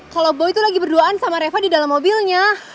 kalo gue tuh lagi berduaan sama reva di dalam mobilnya